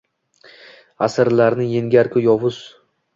Аsrlarni yengar-ku yozuv.